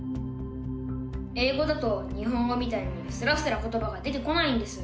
英語だと日本語みたいにすらすらことばが出てこないんです。